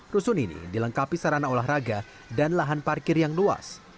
rusun ini dilengkapi sarana olahraga dan lahan parkir yang luas